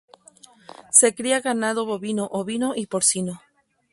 Se cría ganado bovino, ovino y porcino.